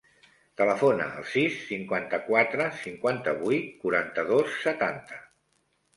Telefona al sis, cinquanta-quatre, cinquanta-vuit, quaranta-dos, setanta.